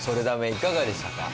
いかがでしたか？